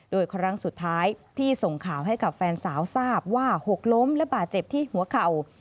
โดยครั้งสุดท้ายที่ส่งข่าวให้กับแฟนสาวทราบว่าหกล้มและบาดเจ็บที่หัวเข่า